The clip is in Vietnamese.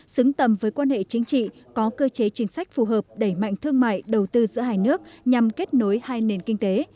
xứng tầm với quan hệ chính trị có cơ chế chính sách phù hợp đẩy mạnh thương mại đầu tư giữa hai nước nhằm kết nối hai nền kinh tế